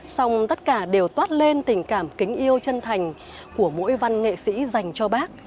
xong tất cả đều toát lên tình cảm kính yêu chân thành của mỗi văn nghệ sĩ dành cho bác